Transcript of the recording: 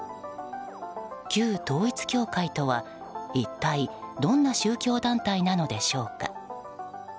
旧統一教会とは一体どんな宗教団体なのでしょうか。